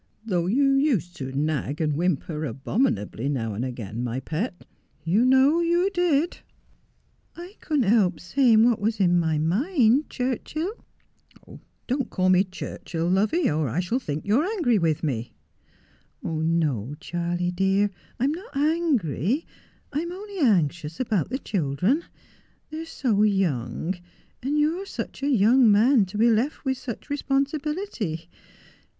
Though you used to nag and whimper abomin ably, now and again, my pet — you know you did.' ' I couldn't help saying what was in my mind, Churchill.' ' That would be an Unholy Alliance.' 271 ' Don't call me Churchill, lovey, or I shall think you are angry with me.' ' No, Charley dear, I am not angry, I am only anxious about the children. They are so young, and you are such a young man to be left with such responsibility.